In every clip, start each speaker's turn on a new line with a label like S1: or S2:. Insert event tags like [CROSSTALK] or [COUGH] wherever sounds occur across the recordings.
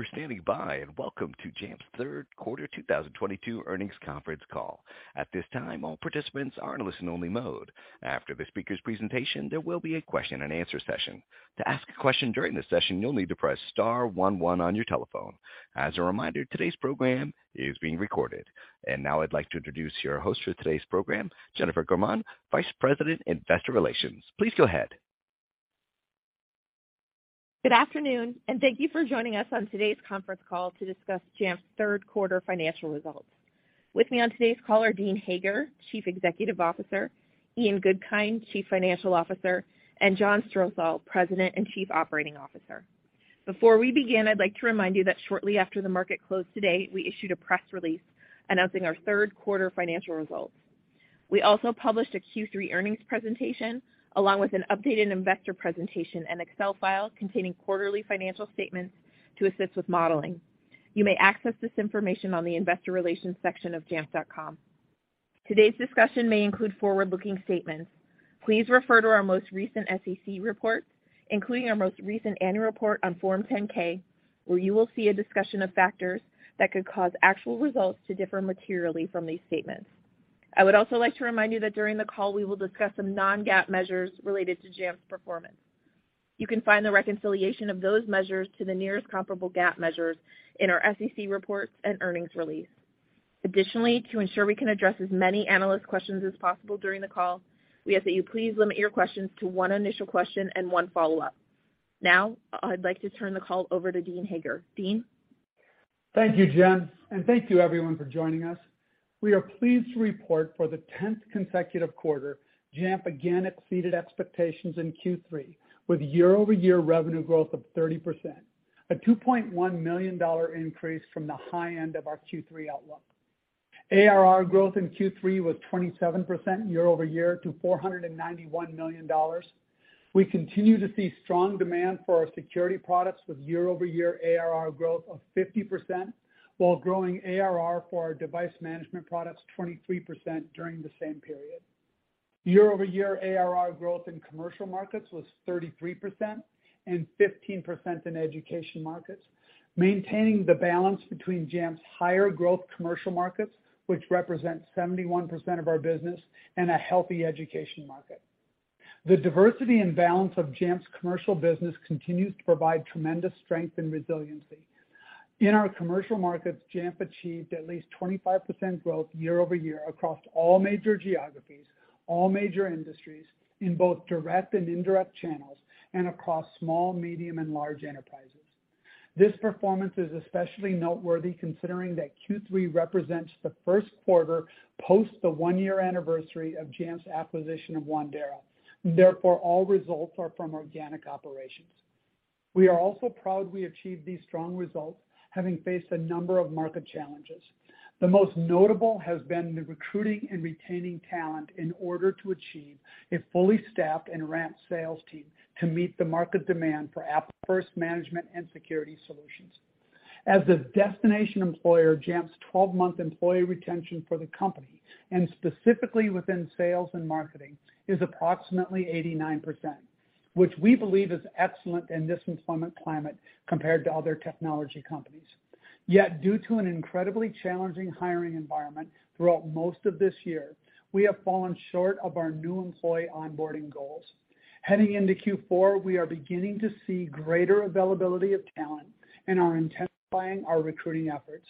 S1: Thank you for standing by. Welcome to Jamf's Third Quarter 2022 Earnings Conference Call. At this time, all participants are in a listen only mode. After the speaker's presentation, there will be a question-and-answer session. To ask a question during the session, you'll need to press star one, one on your telephone. As a reminder, today's program is being recorded. Now I'd like to introduce your host for today's program, Jennifer Gaumond, Vice President, Investor Relations. Please go ahead.
S2: Good afternoon and thank you for joining us on today's conference call to discuss Jamf's third quarter financial results. With me on today's call are Dean Hager, Chief Executive Officer, Ian Goodkind, Chief Financial Officer, and John Strosahl, President and Chief Operating Officer. Before we begin, I'd like to remind you that shortly after the market closed today, we issued a press release announcing our third quarter financial results. We also published a third quarter earnings presentation along with an updated investor presentation and Excel file containing quarterly financial statements to assist with modeling. You may access this information on the investor relations section of jamf.com. Today's discussion may include forward-looking statements. Please refer to our most recent SEC reports, including our most recent annual report on Form 10-K, where you will see a discussion of factors that could cause actual results to differ materially from these statements. I would also like to remind you that during the call we will discuss some non-GAAP measures related to Jamf's performance. You can find the reconciliation of those measures to the nearest comparable GAAP measures in our SEC reports and earnings release. Additionally, to ensure we can address as many analyst questions as possible during the call, we ask that you please limit your questions to one initial question and one follow-up. Now, I'd like to turn the call over to Dean Hager. Dean?
S3: Thank you, Jen, and thank you everyone for joining us. We are pleased to report for the tenth consecutive quarter, Jamf again exceeded expectations in third quarter with year-over-year revenue growth of 30%, a $2.1 million increase from the high end of our third quarter outlook. ARR growth in third quarter was 27% year-over-year to $491 million. We continue to see strong demand for our security products with year-over-year ARR growth of 50%, while growing ARR for our device management products 23% during the same period. Year-over-year ARR growth in commercial markets was 33% and 15% in education markets, maintaining the balance between Jamf's higher growth commercial markets, which represent 71% of our business, and a healthy education market. The diversity and balance of Jamf's commercial business continues to provide tremendous strength and resiliency. In our commercial markets, Jamf achieved at least 25% growth year-over-year across all major geographies, all major industries in both direct and indirect channels, and across small, medium, and large enterprises. This performance is especially noteworthy considering that third quarter represents the first quarter post the one-year anniversary of Jamf's acquisition of Wandera. Therefore, all results are from organic operations. We are also proud we achieved these strong results, having faced a number of market challenges. The most notable has been the recruiting and retaining talent in order to achieve a fully staffed and ramped sales team to meet the market demand for Apple-first management and security solutions. As a destination employer, Jamf's twelve-month employee retention for the company, and specifically within sales and marketing, is approximately 89%, which we believe is excellent in this employment climate compared to other technology companies. Yet due to an incredibly challenging hiring environment throughout most of this year, we have fallen short of our new employee onboarding goals. Heading into fourth quarter, we are beginning to see greater availability of talent and are intensifying our recruiting efforts.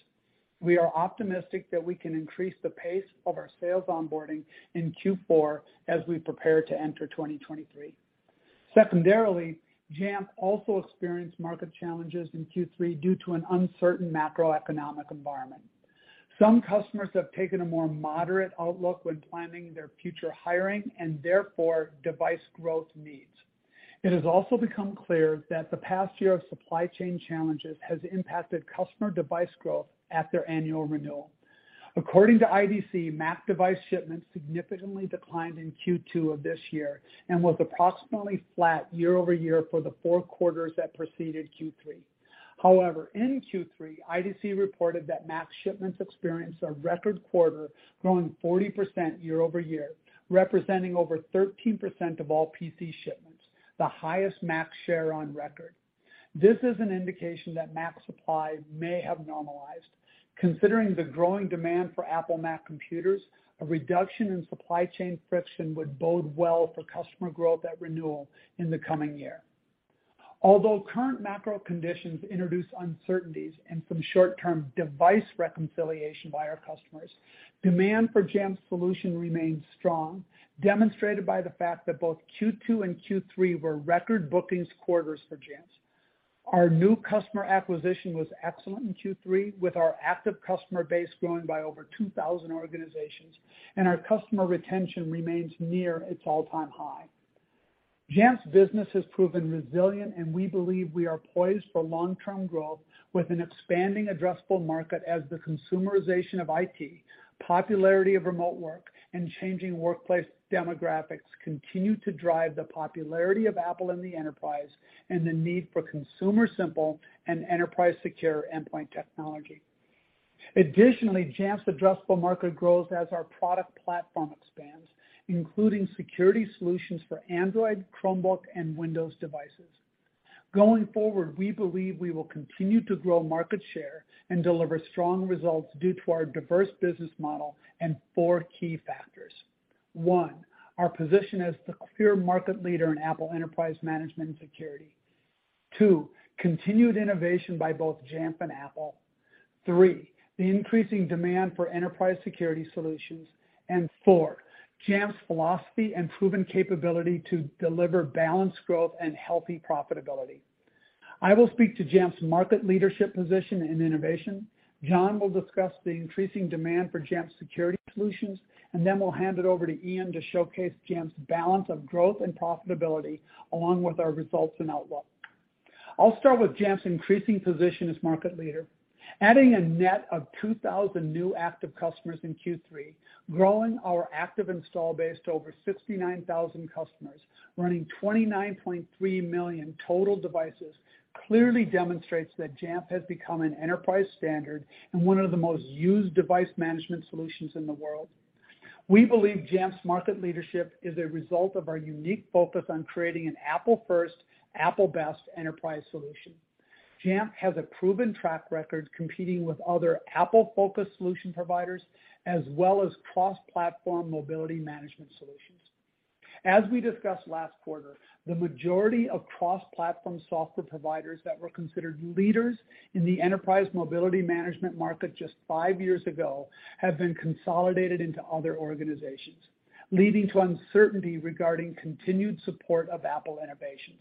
S3: We are optimistic that we can increase the pace of our sales onboarding in fourth quarter as we prepare to enter 2023. Secondarily, Jamf also experienced market challenges in third quarter due to an uncertain macroeconomic environment. Some customers have taken a more moderate outlook when planning their future hiring and therefore device growth needs. It has also become clear that the past year of supply chain challenges has impacted customer device growth at their annual renewal. According to IDC, Mac device shipments significantly declined in second quarter of this year and was approximately flat year-over-year for the four quarters that preceded third quarter. However, in third quarter, IDC reported that Mac shipments experienced a record quarter growing 40% year-over-year, representing over 13% of all PC shipments, the highest Mac share on record. This is an indication that Mac supply may have normalized. Considering the growing demand for Apple Mac computers, a reduction in supply chain friction would bode well for customer growth at renewal in the coming year. Although current macro conditions introduce uncertainties and some short-term device reconciliation by our customers, demand for Jamf's solution remains strong, demonstrated by the fact that both second quarter and third quarter were record bookings quarters for Jamf. Our new customer acquisition was excellent in third quarter with our active customer base growing by over 2,000 organizations, and our customer retention remains near its all-time high. Jamf's business has proven resilient, and we believe we are poised for long-term growth with an expanding addressable market as the consumerization of IT, popularity of remote work, and changing workplace demographics continue to drive the popularity of Apple in the enterprise and the need for consumer simple and enterprise secure endpoint technology. Additionally, Jamf's addressable market grows as our product platform expands, including security solutions for Android, Chromebook, and Windows devices. Going forward, we believe we will continue to grow market share and deliver strong results due to our diverse business model and four key factors. One, our position as the clear market leader in Apple enterprise management and security. Two, continued innovation by both Jamf and Apple. Three, the increasing demand for enterprise security solutions. And four, Jamf's philosophy and proven capability to deliver balanced growth and healthy profitability. I will speak to Jamf's market leadership position and innovation. John will discuss the increasing demand for Jamf security solutions, and then we'll hand it over to Ian to showcase Jamf's balance of growth and profitability, along with our results and outlook. I'll start with Jamf's increasing position as market leader. Adding a net of 2,000 new active customers in third quarter, growing our active install base to over 69,000 customers, running 29.3 million total devices, clearly demonstrates that Jamf has become an enterprise standard and one of the most used device management solutions in the world. We believe Jamf's market leadership is a result of our unique focus on creating an Apple first, Apple best enterprise solution. Jamf has a proven track record competing with other Apple-focused solution providers, as well as cross-platform mobility management solutions. As we discussed last quarter, the majority of cross-platform software providers that were considered leaders in the enterprise mobility management market just five years ago have been consolidated into other organizations, leading to uncertainty regarding continued support of Apple innovations.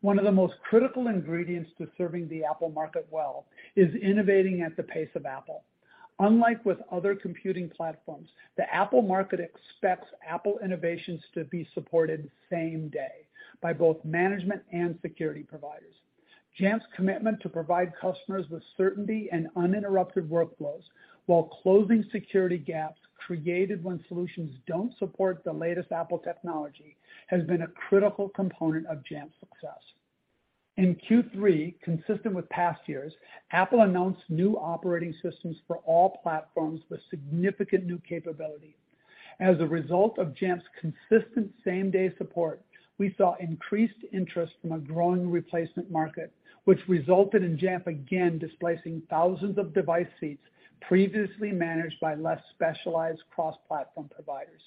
S3: One of the most critical ingredients to serving the Apple market well is innovating at the pace of Apple. Unlike with other computing platforms, the Apple market expects Apple innovations to be supported same day by both management and security providers. Jamf's commitment to provide customers with certainty and uninterrupted workflows while closing security gaps created when solutions don't support the latest Apple technology has been a critical component of Jamf's success. In third quarter, consistent with past years, Apple announced new operating systems for all platforms with significant new capability. As a result of Jamf's consistent same-day support, we saw increased interest from a growing replacement market, which resulted in Jamf again displacing thousands of device seats previously managed by less specialized cross-platform providers.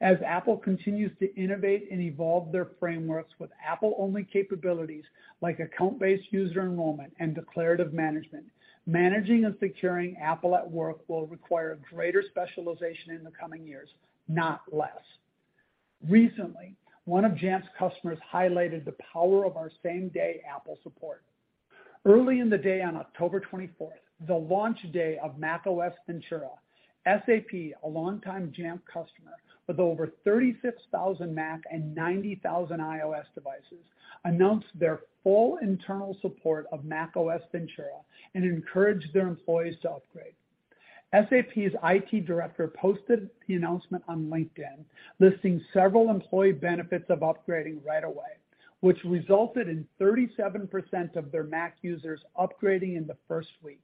S3: As Apple continues to innovate and evolve their frameworks with Apple-only capabilities like account-based user enrollment and declarative management, managing and securing Apple at work will require greater specialization in the coming years, not less. Recently, one of Jamf's customers highlighted the power of our same-day Apple support. Early in the day on 24 October 2022, the launch day of macOS Ventura, SAP, a longtime Jamf customer with over 36,000 Mac and 90,000 iOS devices, announced their full internal support of macOS Ventura and encouraged their employees to upgrade. SAP's IT director posted the announcement on LinkedIn, listing several employee benefits of upgrading right away, which resulted in 37% of their Mac users upgrading in the first week.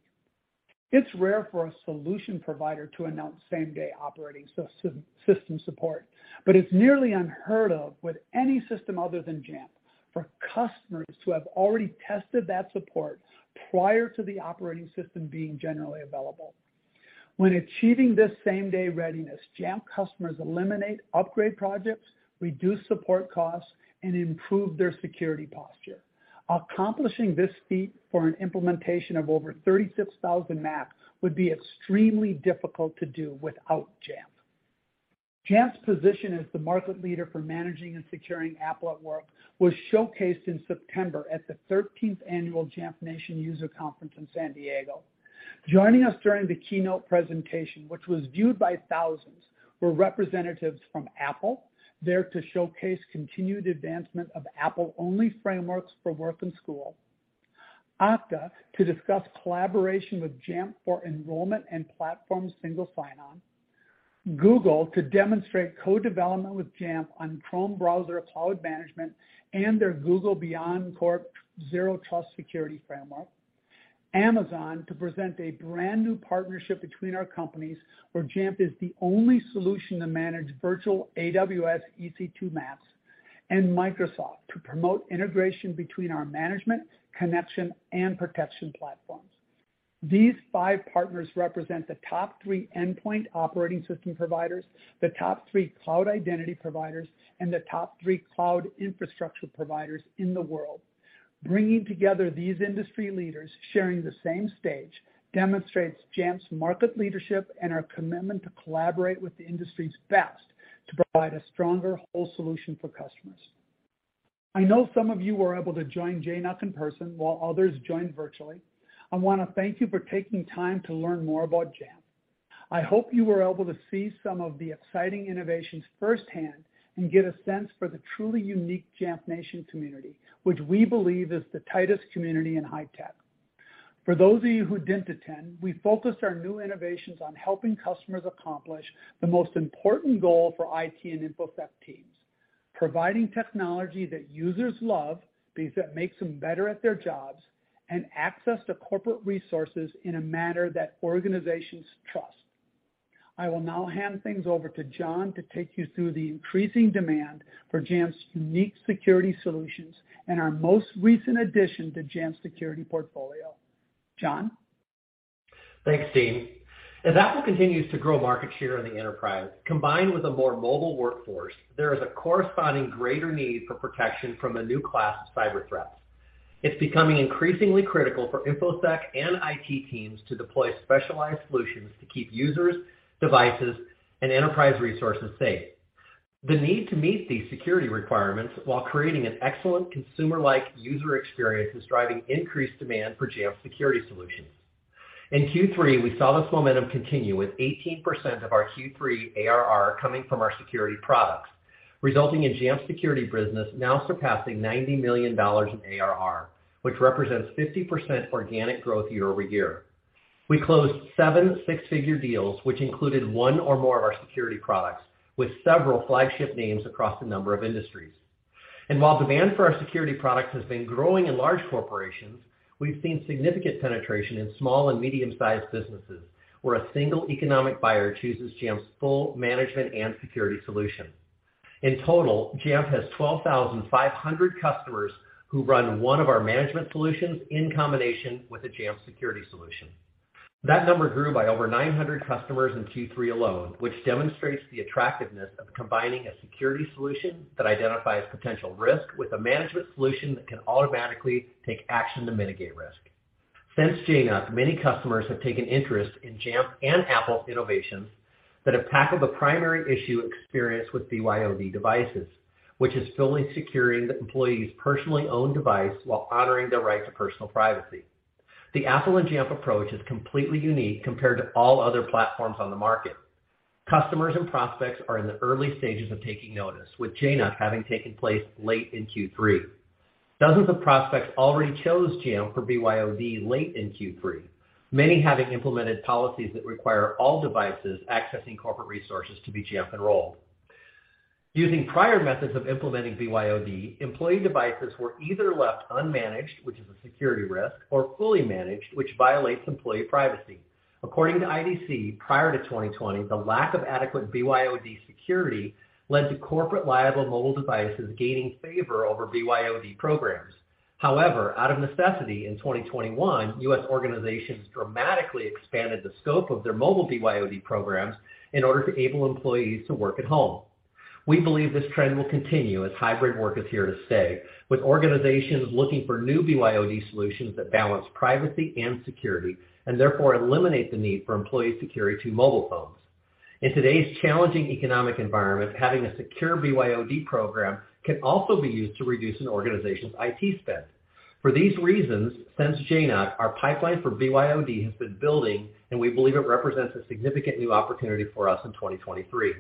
S3: It's rare for a solution provider to announce same-day operating system support, but it's nearly unheard of with any system other than Jamf for customers to have already tested that support prior to the operating system being generally available. When achieving this same-day readiness, Jamf customers eliminate upgrade projects, reduce support costs, and improve their security posture. Accomplishing this feat for an implementation of over 36,000 Macs would be extremely difficult to do without Jamf. Jamf's position as the market leader for managing and securing Apple at work was showcased in September at the thirteenth annual Jamf Nation User Conference in San Diego. Joining us during the keynote presentation, which was viewed by thousands, were representatives from Apple, there to showcase continued advancement of Apple-only frameworks for work and school. Okta to discuss collaboration with Jamf for enrollment and Platform Single Sign-On. Google to demonstrate co-development with Jamf on Chrome browser cloud management and their Google BeyondCorp Zero Trust security framework. Amazon to present a brand-new partnership between our companies, where Jamf is the only solution to manage virtual AWS EC2 Macs. Microsoft to promote integration between our management, connection, and protection platforms. These five partners represent the top three endpoint operating system providers, the top three cloud identity providers, and the top three cloud infrastructure providers in the world. Bringing together these industry leaders sharing the same stage demonstrates Jamf's market leadership and our commitment to collaborate with the industry's best to provide a stronger whole solution for customers. I know some of you were able to join JNUC in person while others joined virtually. I wanna thank you for taking time to learn more about Jamf. I hope you were able to see some of the exciting innovations firsthand and get a sense for the truly unique Jamf Nation community, which we believe is the tightest community in high tech. For those of you who didn't attend, we focused our new innovations on helping customers accomplish the most important goal for IT and InfoSec teams, providing technology that users love because that makes them better at their jobs and access to corporate resources in a manner that organizations trust. I will now hand things over to John to take you through the increasing demand for Jamf's unique security solutions and our most recent addition to Jamf's security portfolio. John?
S4: Thanks, Dean. As Apple continues to grow market share in the enterprise, combined with a more mobile workforce, there is a corresponding greater need for protection from a new class of cyber threats. It's becoming increasingly critical for InfoSec and IT teams to deploy specialized solutions to keep users, devices, and enterprise resources safe. The need to meet these security requirements while creating an excellent consumer-like user experience is driving increased demand for Jamf Security Solutions. In third quarter, we saw this momentum continue, with 18% of our third quarter ARR coming from our security products, resulting in Jamf's security business now surpassing $90 million in ARR, which represents 50% organic growth year-over-year. We closed seven six-figure deals, which included one or more of our security products, with several flagship names across a number of industries. While demand for our security products has been growing in large corporations, we've seen significant penetration in small and medium-sized businesses, where a single economic buyer chooses Jamf's full management and security solution. In total, Jamf has 12,500 customers who run one of our management solutions in combination with a Jamf security solution. That number grew by over 900 customers in third quarter alone, which demonstrates the attractiveness of combining a security solution that identifies potential risk with a management solution that can automatically take action to mitigate risk. Since JNUC, many customers have taken interest in Jamf and Apple innovations that have tackled the primary issue experienced with BYOD devices, which is fully securing the employee's personally owned device while honoring their right to personal privacy. The Apple and Jamf approach is completely unique compared to all other platforms on the market. Customers and prospects are in the early stages of taking notice, with JNUC having taken place late in third quarter. Dozens of prospects already chose Jamf for BYOD late in third quarter, many having implemented policies that require all devices accessing corporate resources to be Jamf enrolled. Using prior methods of implementing BYOD, employee devices were either left unmanaged, which is a security risk, or fully managed, which violates employee privacy. According to IDC, prior to 2020, the lack of adequate BYOD security led to corporate liable mobile devices gaining favor over BYOD programs. However, out of necessity, in 2021, US organizations dramatically expanded the scope of their mobile BYOD programs in order to enable employees to work at home. We believe this trend will continue as hybrid work is here to stay, with organizations looking for new BYOD solutions that balance privacy and security, and therefore eliminate the need for employees to secure mobile phones. In today's challenging economic environment, having a secure BYOD program can also be used to reduce an organization's IT spend. For these reasons, since JNUC, our pipeline for BYOD has been building, and we believe it represents a significant new opportunity for us in 2023.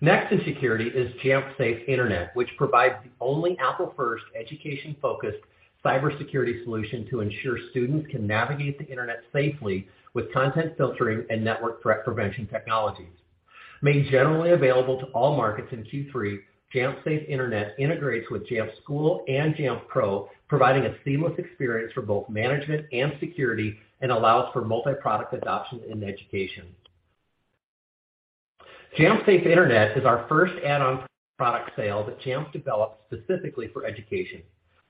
S4: Next in security is Jamf Safe Internet, which provides the only Apple-first education-focused cybersecurity solution to ensure students can navigate the Internet safely with content filtering and network threat prevention technologies. Made generally available to all markets in third quarter, Jamf Safe Internet integrates with Jamf School and Jamf Pro, providing a seamless experience for both management and security and allows for multi-product adoption in education. Jamf Safe Internet is our first add-on product sale that Jamf developed specifically for education.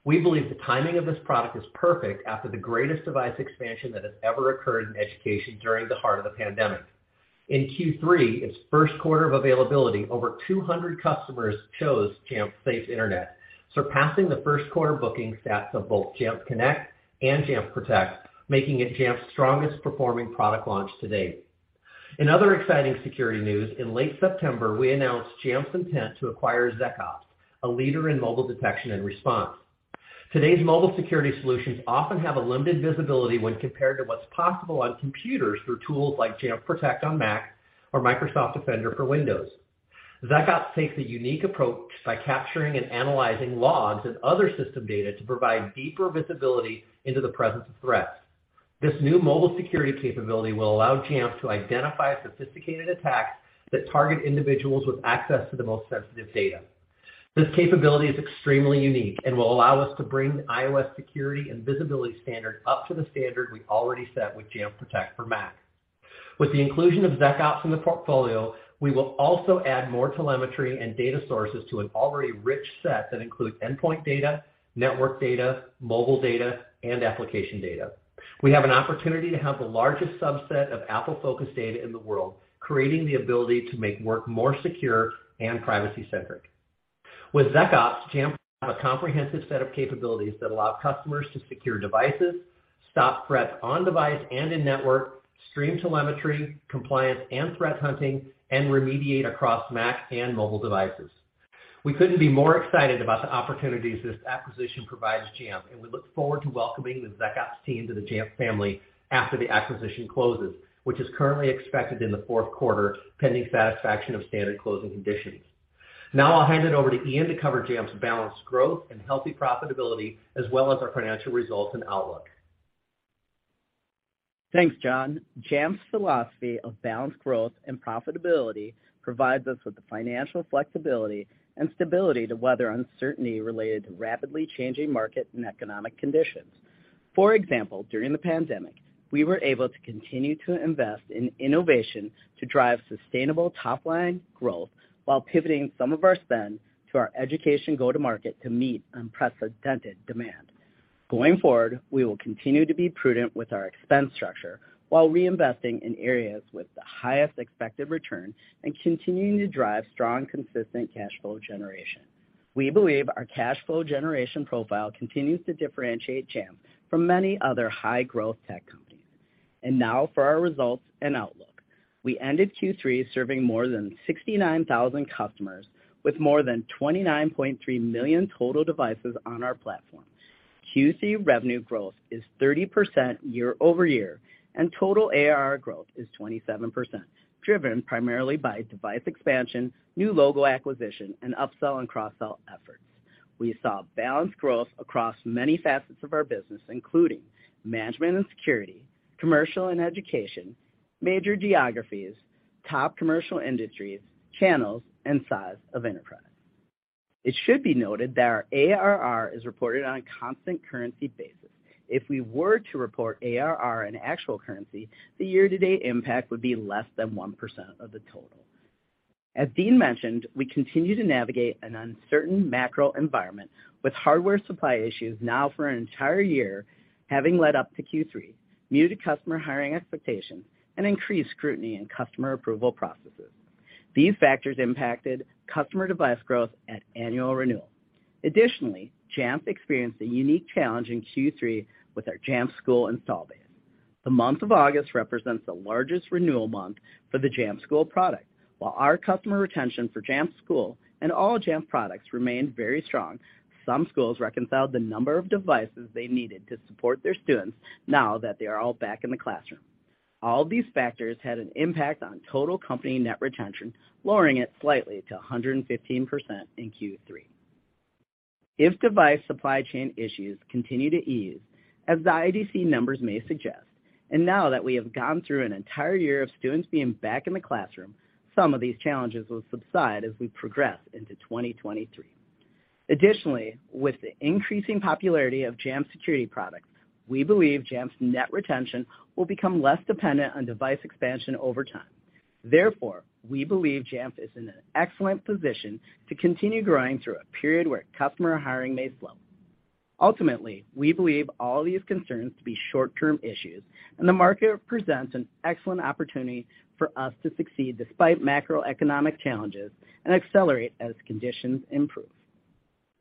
S4: We believe the timing of this product is perfect after the greatest device expansion that has ever occurred in education during the heart of the pandemic. In third quarter, its first quarter of availability, over 200 customers chose Jamf Safe Internet, surpassing the first quarter booking stats of both Jamf Connect and Jamf Protect, making it Jamf's strongest performing product launch to date. In other exciting security news, in late September, we announced Jamf's intent to acquire ZecOps, a leader in mobile detection and response. Today's mobile security solutions often have a limited visibility when compared to what's possible on computers through tools like Jamf Protect on Mac or Microsoft Defender for Windows. ZecOps takes a unique approach by capturing and analyzing logs and other system data to provide deeper visibility into the presence of threats. This new mobile security capability will allow Jamf to identify sophisticated attacks that target individuals with access to the most sensitive data. This capability is extremely unique and will allow us to bring iOS security and visibility standard up to the standard we already set with Jamf Protect for Mac. With the inclusion of ZecOps in the portfolio, we will also add more telemetry and data sources to an already rich set that includes endpoint data, network data, mobile data, and application data. We have an opportunity to have the largest subset of Apple-focused data in the world, creating the ability to make work more secure and privacy-centric. With ZecOps, Jamf will have a comprehensive set of capabilities that allow customers to secure devices, stop threats on-device and in-network, stream telemetry, compliance, and threat hunting, and remediate across Mac and mobile devices. We couldn't be more excited about the opportunities this acquisition provides Jamf, and we look forward to welcoming the ZecOps team to the Jamf family after the acquisition closes, which is currently expected in the fourth quarter, pending satisfaction of standard closing conditions. Now I'll hand it over to Ian to cover Jamf's balanced growth and healthy profitability, as well as our financial results and outlook.
S5: Thanks, John. Jamf's philosophy of balanced growth and profitability provides us with the financial flexibility and stability to weather uncertainty related to rapidly changing market and economic conditions. For example, during the pandemic, we were able to continue to invest in innovation to drive sustainable top-line growth while pivoting some of our spend to our education go-to-market to meet unprecedented demand. Going forward, we will continue to be prudent with our expense structure while reinvesting in areas with the highest expected return and continuing to drive strong, consistent cash flow generation. We believe our cash flow generation profile continues to differentiate Jamf from many other high-growth tech companies. Now for our results and outlook. We ended third quarter serving more than 69,000 customers with more than 29.3 million total devices on our platform. Third quarter revenue growth is 30% year-over-year, and total ARR growth is 27%, driven primarily by device expansion, new logo acquisition, and upsell and cross-sell efforts. We saw balanced growth across many facets of our business, including management and security, commercial and education, major geographies, top commercial industries, channels, and size of enterprise. It should be noted that our ARR is reported on a constant currency basis. If we were to report ARR in actual currency, the year-to-date impact would be less than 1% of the total. As Dean mentioned, we continue to navigate an uncertain macro environment with hardware supply issues now for an entire year having led up to third quarter, muted customer hiring expectations, and increased scrutiny in customer approval processes. These factors impacted customer device growth and annual renewal. Additionally, Jamf experienced a unique challenge in third quarter with our Jamf School install base. The month of August represents the largest renewal month for the Jamf School product. While our customer retention for Jamf School and all Jamf products remained very strong, some schools reconciled the number of devices they needed to support their students now that they are all back in the classroom. All these factors had an impact on total company net retention, lowering it slightly to 115% in third quarter. If device supply chain issues continue to ease, as the IDC numbers may suggest, and now that we have gone through an entire year of students being back in the classroom, some of these challenges will subside as we progress into 2023. Additionally, with the increasing popularity of Jamf security products, we believe Jamf's net retention will become less dependent on device expansion over time. Therefore, we believe Jamf is in an excellent position to continue growing through a period where customer hiring may slow. Ultimately, we believe all these concerns to be short-term issues, and the market presents an excellent opportunity for us to succeed despite macroeconomic challenges and accelerate as conditions improve.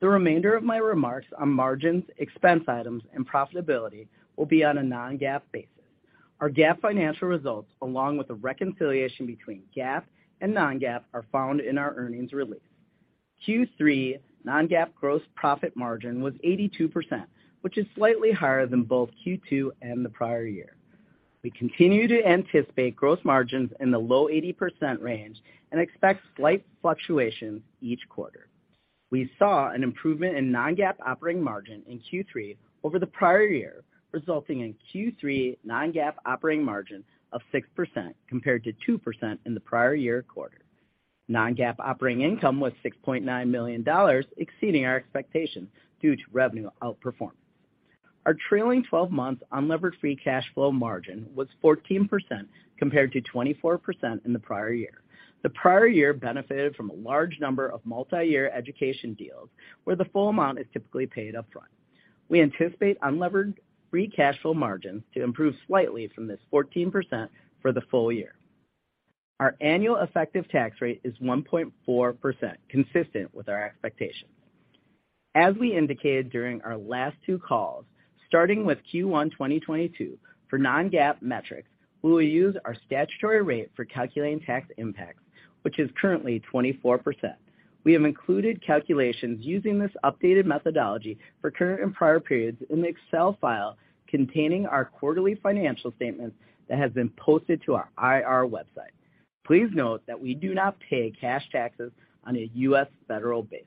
S5: The remainder of my remarks on margins, expense items, and profitability will be on a non-GAAP basis. Our GAAP financial results, along with a reconciliation between GAAP and non-GAAP, are found in our earnings release. Third quarter non-GAAP gross profit margin was 82%, which is slightly higher than both second quarter and the prior year. We continue to anticipate gross margins in the low 80% range and expect slight fluctuations each quarter. We saw an improvement in non-GAAP operating margin in third quarter over the prior year, resulting in third quarter non-GAAP operating margin of 6% compared to 2% in the prior year quarter. Non-GAAP operating income was $6.9 million, exceeding our expectations due to revenue outperformance. Our trailing 12-month unlevered free cash flow margin was 14% compared to 24% in the prior year. The prior year benefited from a large number of multi-year education deals where the full amount is typically paid up front. We anticipate unlevered free cash flow margins to improve slightly from this 14% for the full year. Our annual effective tax rate is 1.4%, consistent with our expectations. As we indicated during our last two calls, starting with first quarter 2022, for non-GAAP metrics, we will use our statutory rate for calculating tax impacts, which is currently 24%. We have included calculations using this updated methodology for current and prior periods in the Excel file containing our quarterly financial statements that has been posted to our IR website. Please note that we do not pay cash taxes on a US federal basis.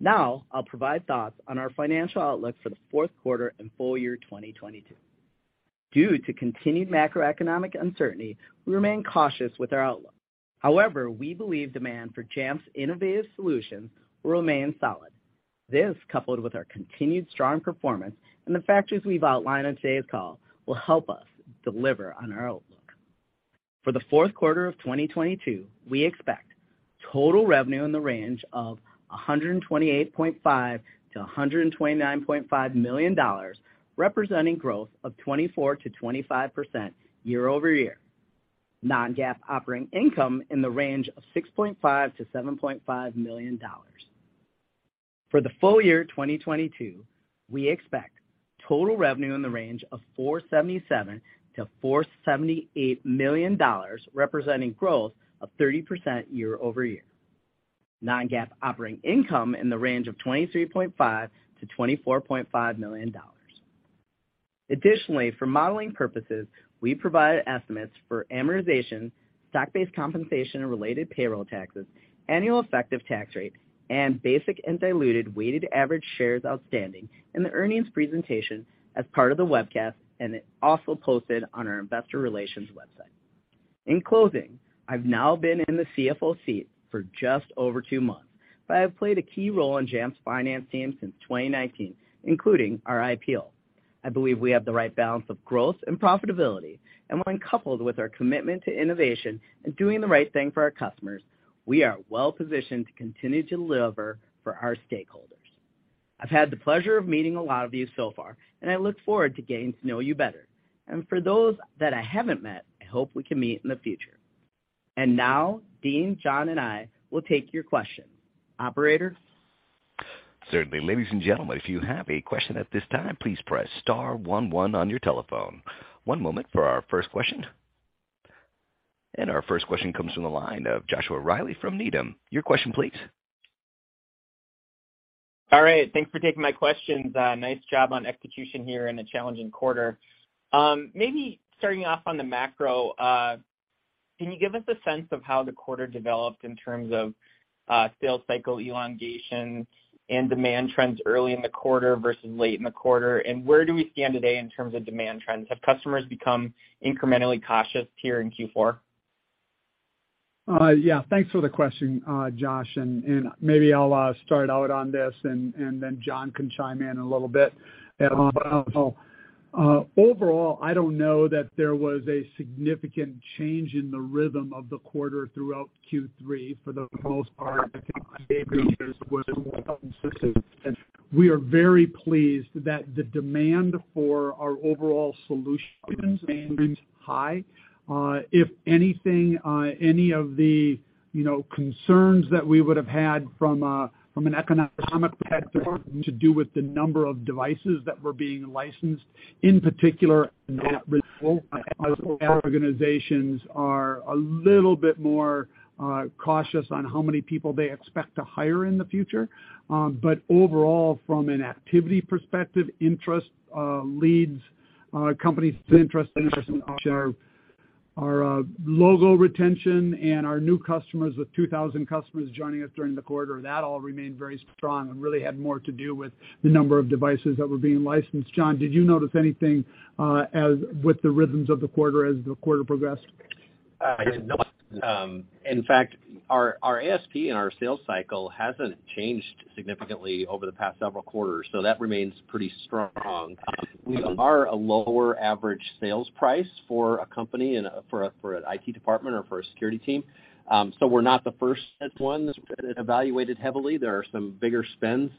S5: Now, I'll provide thoughts on our financial outlook for the fourth quarter and full year 2022. Due to continued macroeconomic uncertainty, we remain cautious with our outlook. However, we believe demand for Jamf's innovative solutions will remain solid. This, coupled with our continued strong performance and the factors we've outlined on today's call, will help us deliver on our outlook. For the fourth quarter of 2022, we expect total revenue in the range of $128.5 to 129.5 million, representing growth of 24% to 25% year-over-year. Non-GAAP operating income in the range of $6.5 to 7.5 million. For the full year 2022, we expect total revenue in the range of $477 to 478 million, representing growth of 30% year-over-year. Non-GAAP operating income in the range of $23.5 to 24.5 million. Additionally, for modeling purposes, we provide estimates for amortization, stock-based compensation, and related payroll taxes, annual effective tax rate, and basic and diluted weighted average shares outstanding in the earnings presentation as part of the webcast, and it's also posted on our investor relations website. In closing, I've now been in the CFO seat for just over two months, but I have played a key role in Jamf's finance team since 2019, including our IPO. I believe we have the right balance of growth and profitability, and when coupled with our commitment to innovation and doing the right thing for our customers, we are well-positioned to continue to deliver for our stakeholders. I've had the pleasure of meeting a lot of you so far, and I look forward to getting to know you better. For those that I haven't met, I hope we can meet in the future. Now Dean, John, and I will take your question. Operator?
S1: Certainly. Ladies and gentlemen, if you have a question at this time, please press star one, one on your telephone. One moment for our first question. Our first question comes from the line of Joshua Reilly from Needham. Your question, please.
S6: All right. Thanks for taking my questions. Nice job on execution here in a challenging quarter. Maybe starting off on the macro, can you give us a sense of how the quarter developed in terms of sales cycle elongation and demand trends early in the quarter versus late in the quarter? Where do we stand today in terms of demand trends? Have customers become incrementally cautious here in fourth quarter?
S3: Yeah. Thanks for the question, Josh. Maybe I'll start out on this and then John can chime in a little bit as well. Overall, I don't know that there was a significant change in the rhythm of the quarter throughout third quarter. For the most part, I think maybe we are very pleased that the demand for our overall solutions remains high. If anything, any of the, you know, concerns that we would have had from an economic perspective to do with the number of devices that were being licensed, in particular, organizations are a little bit more cautious on how many people they expect to hire in the future. Overall, from an activity perspective, interest, leads, companies interest in our logo retention and our new customers, with 2,000 customers joining us during the quarter, that all remained very strong and really had more to do with the number of devices that were being licensed. John, did you notice anything as with the rhythms of the quarter as the quarter progressed?
S4: I did not. In fact, our ASP and our sales cycle hasn't changed significantly over the past several quarters, so that remains pretty strong. We are a lower average sales price for a company and for an IT department or for a security team. We're not the first ones evaluated heavily. There are some bigger spends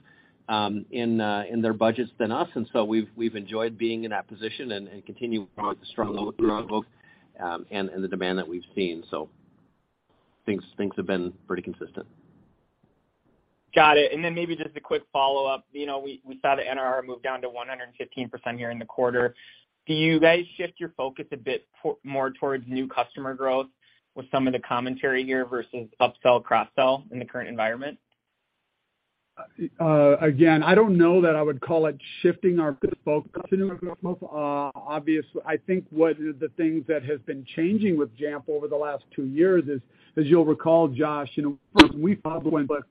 S4: in their budgets than us, and we've enjoyed being in that position and continue strong growth and the demand that we've seen. Things have been pretty consistent.
S6: Got it. Maybe just a quick follow-up. You know, we saw the NRR move down to 115% here in the quarter. Do you guys shift your focus a bit more towards new customer growth with some of the commentary here versus upsell, cross-sell in the current environment?
S3: Again, I don't know that I would call it shifting our focus. Obviously, I think the things that have been changing with Jamf over the last two years is, as you'll recall, Josh, you know, we thought, but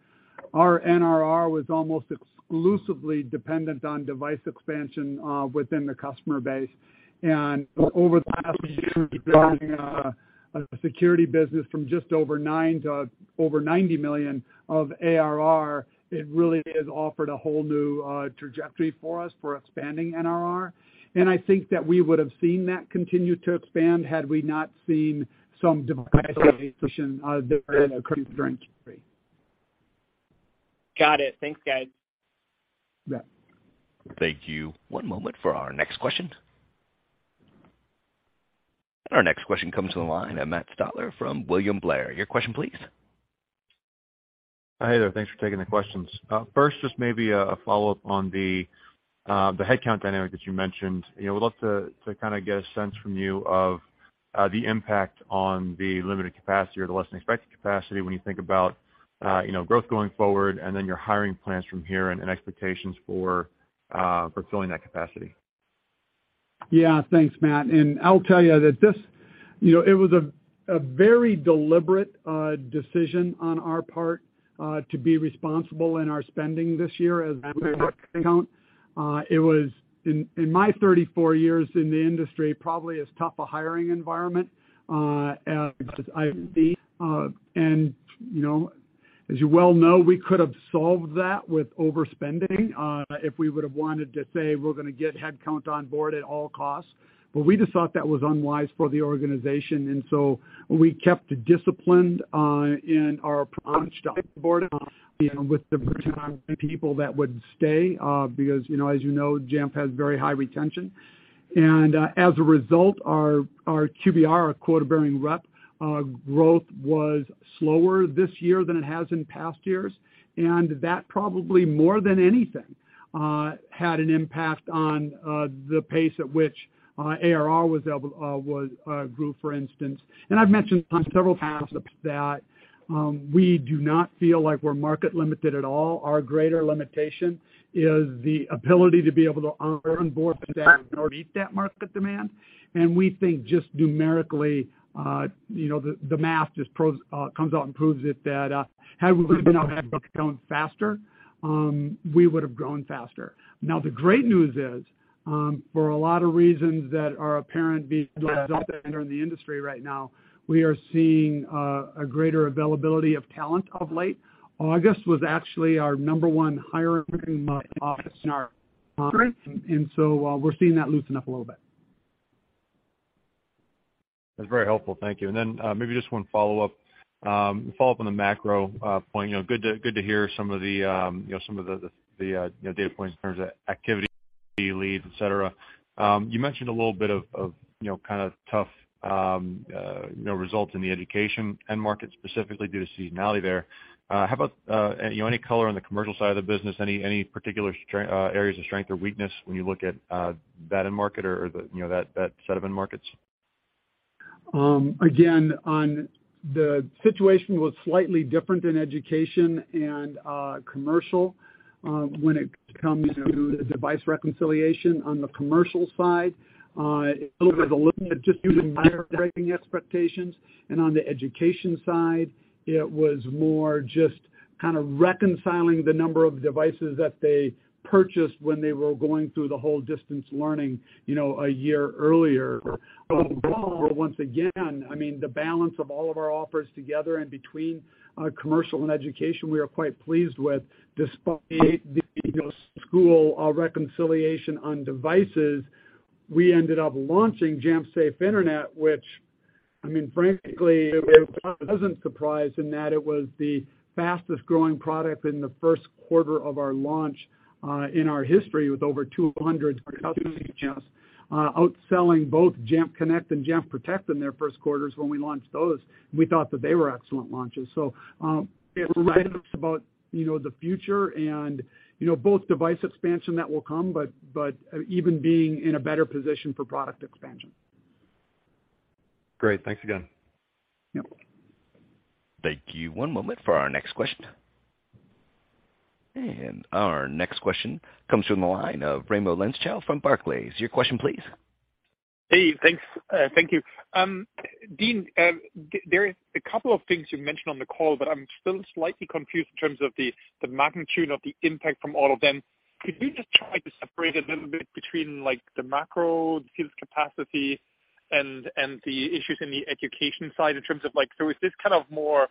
S3: our NRR was almost exclusively dependent on device expansion within the customer base. Over the last year, building a security business from just over $9 million to over $90 million of ARR, it really has offered a whole new trajectory for us for expanding NRR. I think that we would have seen that continue to expand had we not seen some device expansion during the current trajectory.
S6: Got it. Thanks, guys.
S3: Yeah.
S1: Thank you. One moment for our next question. Our next question comes from the line of Matt Stotler from William Blair. Your question, please.
S7: Hi, there. Thanks for taking the questions. First, just maybe a follow-up on the headcount dynamic that you mentioned. You know, we'd love to kinda get a sense from you of the impact on the limited capacity or the less than expected capacity when you think about, you know, growth going forward and then your hiring plans from here and expectations for fulfilling that capacity.
S3: Yeah. Thanks, Matt. I'll tell you that this, you know, it was a very deliberate decision on our part to be responsible in our spending this year as we can. It was in my 34 years in the industry, probably as tough a hiring environment as I've seen. You know, as you well know, we could have solved that with overspending if we would have wanted to say, we're gonna get headcount on board at all costs. We just thought that was unwise for the organization. We kept disciplined in our approach to onboarding, you know, with the retention of people that would stay because, you know, as you know, Jamf has very high retention. As a result, our QBR, our quota-bearing rep growth was slower this year than it has in past years. That probably more than anything had an impact on the pace at which ARR grew, for instance. I've mentioned on several occasions that we do not feel like we're market limited at all. Our greater limitation is the ability to be able to onboard that or meet that market demand. We think just numerically, you know, the math just comes out and proves it that had we been able to head count faster, we would have grown faster. Now, the great news is, for a lot of reasons that are apparent being in the industry right now, we are seeing a greater availability of talent of late. August was actually our number one hiring month in our history, and so we're seeing that loosen up a little bit.
S7: That's very helpful. Thank you. Maybe just one follow-up. Follow-up on the macro point. You know, good to hear some of the, you know, data points in terms of activity leads, et cetera. You mentioned a little bit of you know kind of tough you know results in the education end market specifically due to seasonality there. How about you know any color on the commercial side of the business? Any particular areas of strength or weakness when you look at that end market or the, you know, that set of end markets?
S3: Again, the situation was slightly different in education and commercial, when it come to the device reconciliation. On the commercial side, it was a little bit just using higher breaking expectations. On the education side, it was more just kinda reconciling the number of devices that they purchased when they were going through the whole distance learning, you know, a year earlier. Once again, I mean, the balance of all of our offerings together in between commercial and education, we are quite pleased with. Despite the, you know, school reconciliation on devices, we ended up launching Jamf Safe Internet, which, I mean, frankly, it was a pleasant surprise in that it was the fastest-growing product in the first quarter of our launch in our history, with over 200 customers using Jamf, outselling both Jamf Connect and Jamf Protect in their first quarters when we launched those. We thought that they were excellent launches. It's about, you know, the future and, you know, both device expansion that will come, but even being in a better position for product expansion.
S7: Great. Thanks again.
S3: Yep.
S1: Thank you. One moment for our next question. Our next question comes from the line of Raimo Lenschow from Barclays. Your question, please.
S8: Hey, thanks. Thank you. Dean, there is a couple of things you mentioned on the call, but I'm still slightly confused in terms of the magnitude of the impact from all of them. Could you just try to separate a little bit between, like, the macro skills capacity and the issues in the education side in terms of, like, so is this kind of more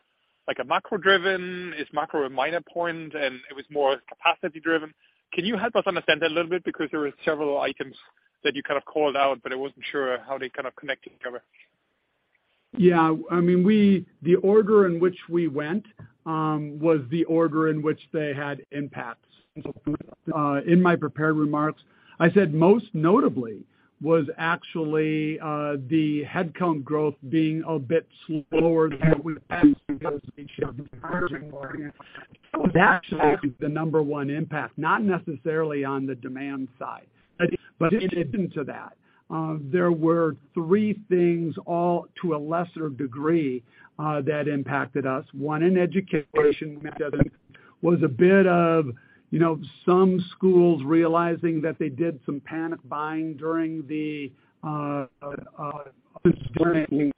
S8: like a macro-driven? Is macro a minor point and it was more capacity-driven? Can you help us understand that a little bit? Because there were several items that you kind of called out, but I wasn't sure how they kind of connected together.
S3: Yeah, I mean, the order in which we went was the order in which they had impacts. In my prepared remarks, I said most notably was actually the head count growth being a bit slower than we expected because we shifted hiring more. That was actually the number one impact, not necessarily on the demand side. But in addition to that, there were three things, all to a lesser degree, that impacted us. One in education was a bit of, you know, some schools realizing that they did some panic buying during the distance learning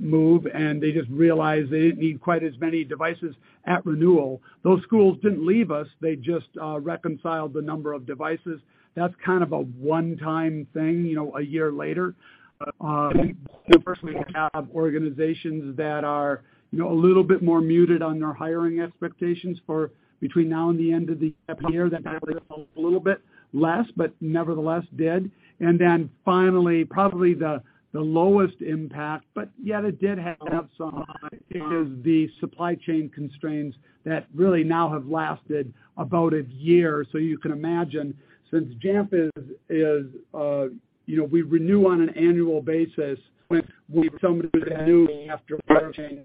S3: move, and they just realized they didn't need quite as many devices at renewal. Those schools didn't leave us. They just reconciled the number of devices. That's kind of a one-time thing, you know, a year later. We personally have organizations that are, you know, a little bit more muted on their hiring expectations for between now and the end of the year. That matters a little bit less, but nevertheless did. Finally, probably the lowest impact, but yet it did have some, is the supply chain constraints that really now have lasted about a year. You can imagine since Jamf is, you know, we renew on an annual basis with some of the new after supply chain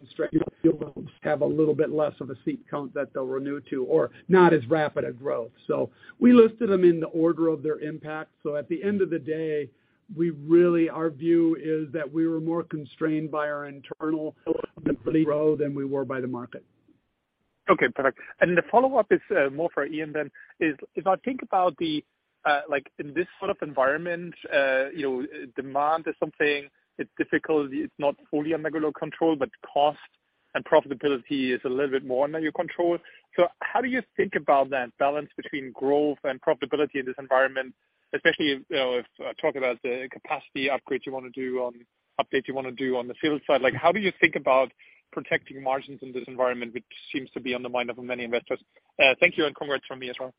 S3: constraints, you'll have a little bit less of a seat count that they'll renew to or not as rapid a growth. We listed them in the order of their impact. At the end of the day, we really, our view is that we were more constrained by our internal than we were by the market.
S8: Okay, perfect. The follow-up is more for Ian than. If I think about the like in this sort of environment, you know, demand is something, it's difficult. It's not fully under your control, but cost and profitability is a little bit more under your control. How do you think about that balance between growth and profitability in this environment? Especially, you know, if I talk about the capacity update you wanna do on the field side. Like, how do you think about protecting margins in this environment, which seems to be on the mind of many investors? Thank you, and congrats from me as well.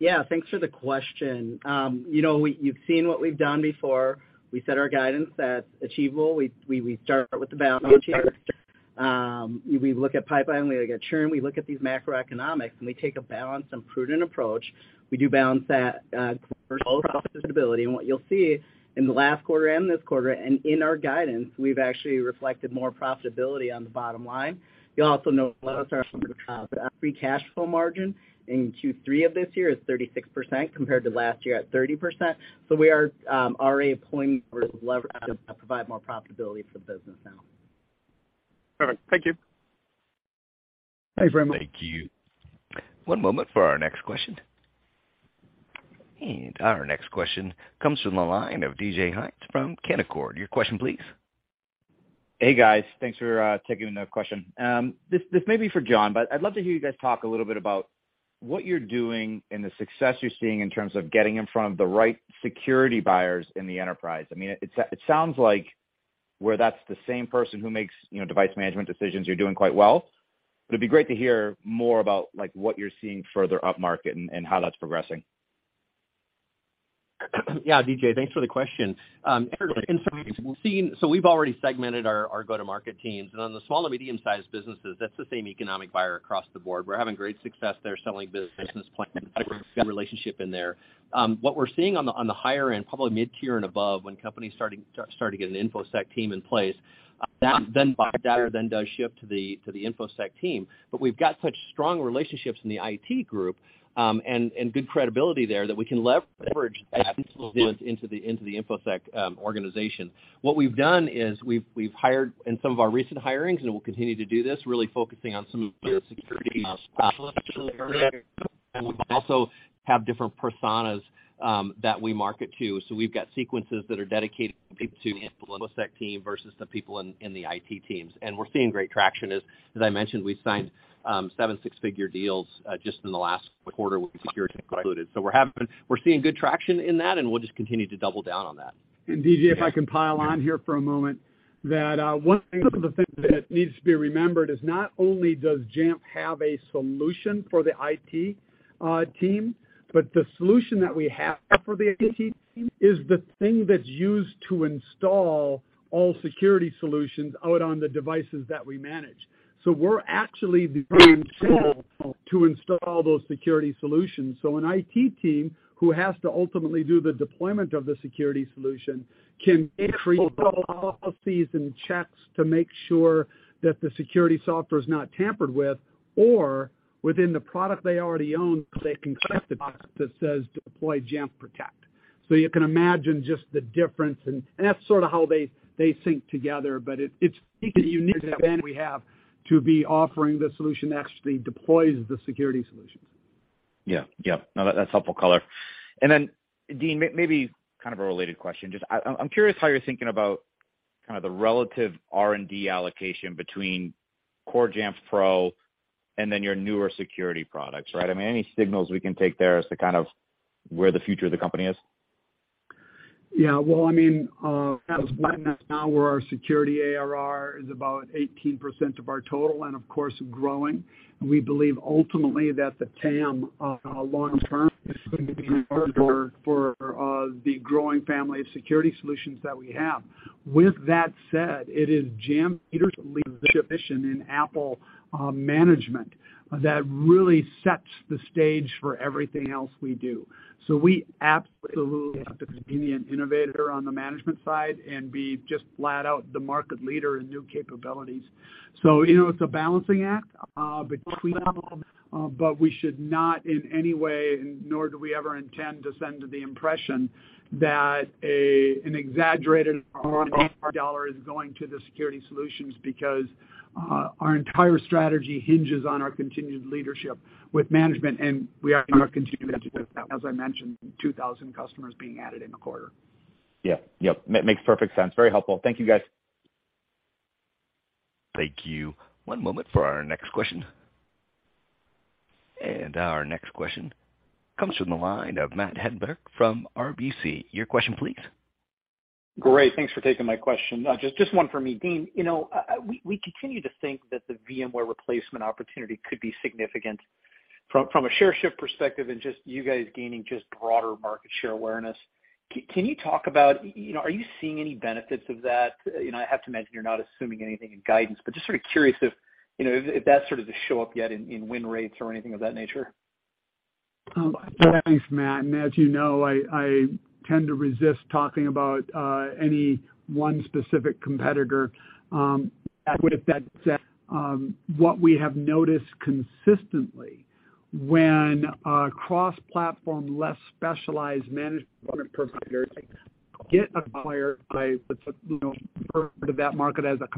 S5: Yeah, thanks for the question. You know, you've seen what we've done before. We set our guidance. That's achievable. We start with the balance sheet. We look at pipeline, we look at churn, we look at this macroeconomics, and we take a balanced and prudent approach. We do balance that profitability. What you'll see in the last quarter and this quarter and in our guidance, we've actually reflected more profitability on the bottom line. You'll also note a lot of our free cash flow margin in third quarter of this year is 36% compared to last year at 30%. We are already applying leverage to provide more profitability for the business now.
S8: Perfect. Thank you.
S3: Thank you very much.
S1: Thank you. One moment for our next question. Our next question comes from the line of DJ Hynes from Canaccord. Your question, please.
S9: Hey, guys. Thanks for taking the question. This may be for John, but I'd love to hear you guys talk a little bit about what you're doing and the success you're seeing in terms of getting in front of the right security buyers in the enterprise. I mean, it sounds like where that's the same person who makes, you know, device management decisions, you're doing quite well. It'd be great to hear more about, like, what you're seeing further upmarket and how that's progressing.
S4: Yeah, DJ, thanks for the question. We've already segmented our go-to-market teams. On the small to medium-sized businesses, that's the same economic buyer across the board. We're having great success there selling business plans, good relationship in there. What we're seeing on the higher end, probably mid-tier and above, when companies start to get an InfoSec team in place, that buyer does shift to the InfoSec team. But we've got such strong relationships in the IT group, and good credibility there that we can leverage that influence into the InfoSec organization. What we've done is we've hired in some of our recent hirings, and we'll continue to do this, really focusing on some of the security specialists. We also have different personas that we market to. We've got sequences that are dedicated to InfoSec team versus the people in the IT teams. We're seeing great traction. As I mentioned, we've signed seven six-figure deals just in the last quarter with security included. We're seeing good traction in that, and we'll just continue to double down on that.
S3: DJ, if I can pile on here for a moment, that one of the things that needs to be remembered is not only does Jamf have a solution for the IT team, but the solution that we have for the IT team is the thing that's used to install all security solutions out on the devices that we manage. We're actually the to install those security solutions. An IT team who has to ultimately do the deployment of the security solution can increase policies and checks to make sure that the security software is not tampered with, or within the product they already own, they can click the box that says deploy Jamf Protect. You can imagine just the difference and that's sort of how they sync together. It's a unique advantage we have to be offering the solution that actually deploys the security solutions.
S9: Yeah. Yeah. No, that's helpful color. Dean, maybe kind of a related question. Just I'm curious how you're thinking about kind of the relative R&D allocation between core Jamf Pro and then your newer security products, right? I mean, any signals we can take there as to kind of where the future of the company is?
S3: Yeah. Well, I mean, now where our security ARR is about 18% of our total and of course, growing. We believe ultimately that the TAM long term is going to be for the growing family of security solutions that we have. With that said, it is Jamf leadership mission in Apple management that really sets the stage for everything else we do. We absolutely have to be an innovator on the management side and be just flat out the market leader in new capabilities. You know, it's a balancing act between, but we should not in any way, nor do we ever intend to send the impression that an exaggerated dollar is going to the security solutions because our entire strategy hinges on our continued leadership with management, and we are continuing to do that. As I mentioned, 2,000 customers being added in a quarter.
S9: Yeah. Yep. Makes perfect sense. Very helpful. Thank you, guys.
S1: Thank you. One moment for our next question. Our next question comes from the line of Matt Hedberg from RBC. Your question, please.
S10: Great. Thanks for taking my question. Just one for me. Dean, you know, we continue to think that the VMware replacement opportunity could be significant from a share shift perspective and just you guys gaining just broader market share awareness. Can you talk about, you know, are you seeing any benefits of that? You know, I have to mention you're not assuming anything in guidance, but just sort of curious if, you know, if that's sort of showing up yet in win rates or anything of that nature.
S3: Thanks, Matt. As you know, I tend to resist talking about any one specific competitor, what we have noticed consistently when a cross-platform, less specialized management provider get acquired by, you know, part of that market as a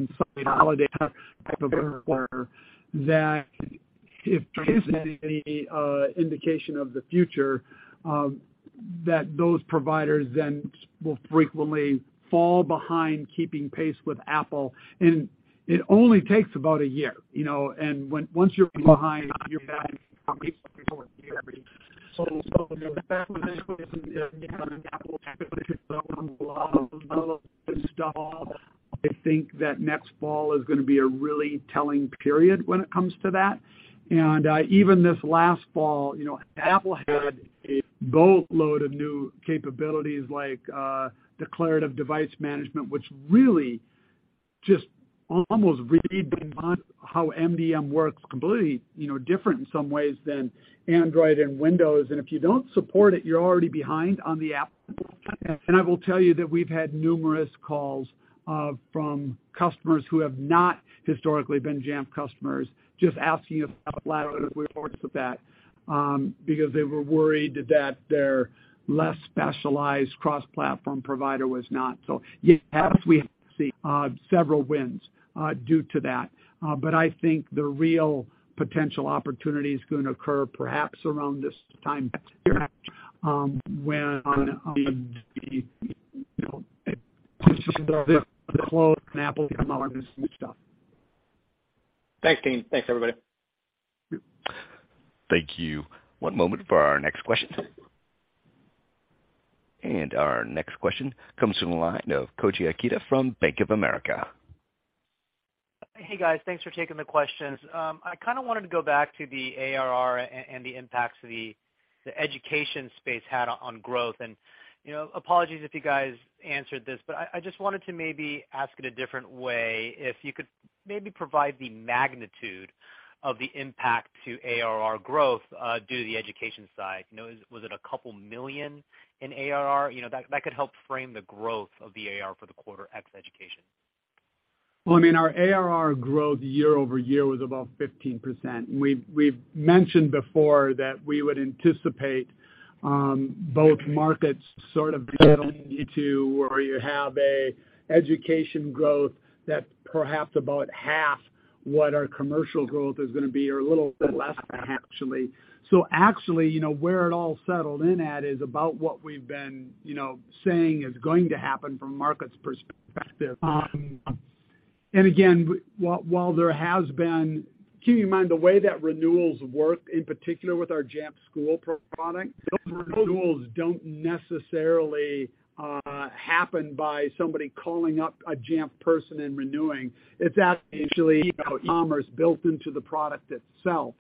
S3: consolidator provider, that, if any, indication of the future, that those providers then will frequently fall behind keeping pace with Apple. It only takes about a year, you know, once you're behind... [INAUDIBLE] I think that next fall is gonna be a really telling period when it comes to that. Even this last fall, you know, Apple had a boatload of new capabilities like declarative device management, which really just almost... [INAUDIBLE] how MDM works completely, you know, different in some ways than Android and Windows. If you don't support it, you're already behind on Apple. I will tell you that we've had numerous calls from customers who have not historically been Jamf customers, just asking if with that because they were worried that their less specialized cross-platform provider was not. Yes, we have seen several wins due to that. I think the real potential opportunity is gonna occur perhaps around this time next year when the... [INAUDIBLE] you know positioning of the closest to Apple's new stuff.
S10: Thanks, Dean. Thanks, everybody.
S1: Thank you. One moment for our next question. Our next question comes from the line of Koji Ikeda from Bank of America.
S11: Hey, guys. Thanks for taking the questions. I kinda wanted to go back to the ARR and the impacts the education space had on growth. You know, apologies if you guys answered this, but I just wanted to maybe ask it a different way. If you could maybe provide the magnitude of the impact to ARR growth due to the education side. You know, was it $2 million in ARR? You know, that could help frame the growth of the ARR for the quarter ex education.
S3: Well, I mean, our ARR growth year-over-year was about 15%. We've mentioned before that we would anticipate both markets sort of battling it to where you have a education growth that's perhaps about half what our commercial growth is gonna be or a little bit less than half, actually. Actually, you know, where it all settled in at is about what we've been, you know, saying is going to happen from a markets perspective. Keep in mind, the way that renewals work, in particular with our Jamf School product, those renewals don't necessarily happen by somebody calling up a Jamf person and renewing. It's actually e-commerce built into the product itself.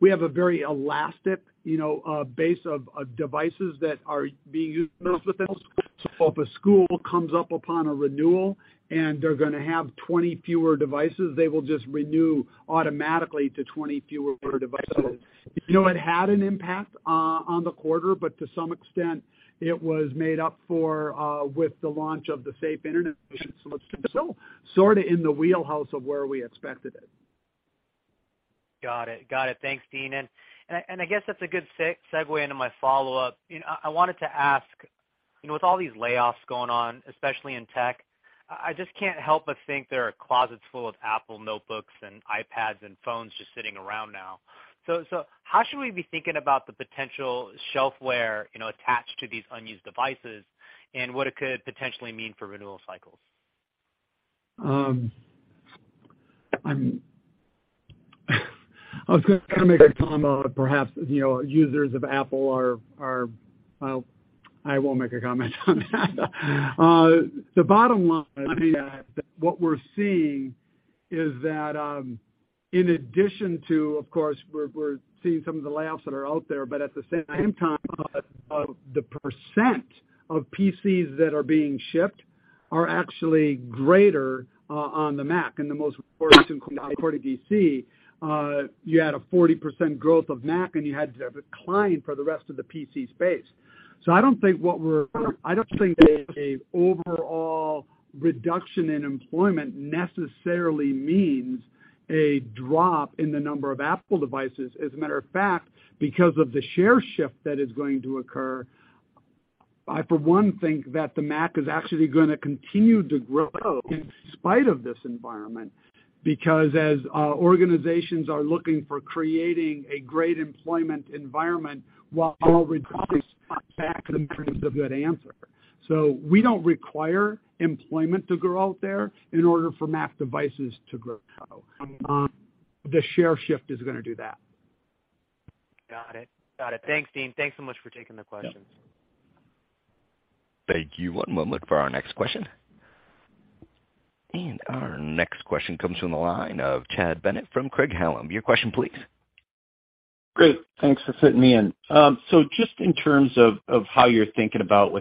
S3: We have a very elastic, you know, base of devices that are being used within the school. If a school comes up upon a renewal and they're gonna have 20 fewer devices, they will just renew automatically to 20 fewer devices. You know, it had an impact on the quarter, but to some extent, it was made up for with the launch of the Jamf Safe Internet solution. Sort of in the wheelhouse of where we expected it.
S11: Got it. Thanks, Dean. I guess that's a good segue into my follow-up. You know, I wanted to ask, you know, with all these layoffs going on, especially in tech, I just can't help but think there are closets full of Apple notebooks and iPads and phones just sitting around now. How should we be thinking about the potential shelfware, you know, attached to these unused devices and what it could potentially mean for renewal cycles?
S3: I was gonna make a comment perhaps, you know, users of Apple are. Well, I won't make a comment on that. The bottom line, I think, what we're seeing is that, in addition to, of course, we're seeing some of the layoffs that are out there, but at the same time, the percent of PCs that are being shipped are actually greater on the Mac. The most recent quarter PC, you had a 40% growth of Mac, and you had a decline for the rest of the PC space. I don't think a overall reduction in employment necessarily means a drop in the number of Apple devices. As a matter of fact, because of the share shift that is going to occur, I, for one, think that the Mac is actually gonna continue to grow in spite of this environment. Because as organizations are looking for creating a great employment environment while reducing cost, Mac is a good answer. We don't require employment to grow out there in order for Mac devices to grow. The share shift is gonna do that.
S11: Got it. Got it. Thanks, Dean. Thanks so much for taking the questions.
S1: Thank you. One moment for our next question. Our next question comes from the line of Chad Bennett from Craig-Hallum. Your question, please.
S12: Great. Thanks for fitting me in. So just in terms of how you're thinking about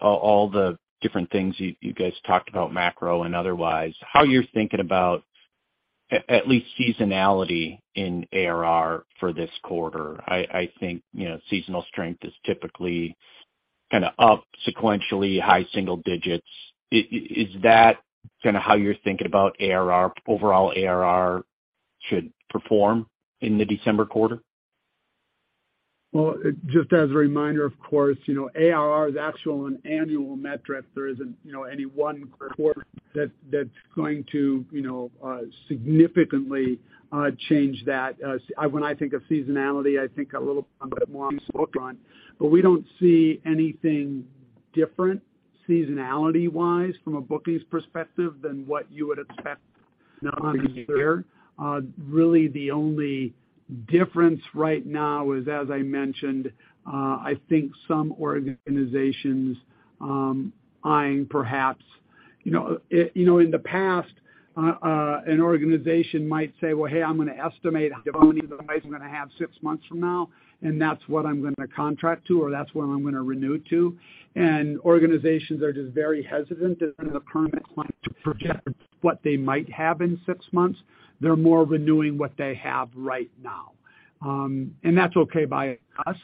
S12: all the different things you guys talked about macro and otherwise, how you're thinking about at least seasonality in ARR for this quarter. I think, you know, seasonal strength is typically kinda up sequentially high single digits. Is that kinda how you're thinking about ARR, overall ARR should perform in the December quarter?
S3: Well, just as a reminder, of course, you know, ARR is actually an annual metric. There isn't, you know, any one quarter that's going to, you know, significantly change that. When I think of seasonality, I think a little bit more on bookings. But we don't see anything different seasonality-wise from a bookings perspective than what you would expect this year. Really the only difference right now is, as I mentioned, I think some organizations buying perhaps, you know. You know, in the past, an organization might say, "Well, hey, I'm gonna estimate how many devices I'm gonna have six months from now, and that's what I'm gonna contract to, or that's what I'm gonna renew to." Organizations are just very hesitant in the current climate to project what they might have in six months. They're more renewing what they have right now. That's okay by us.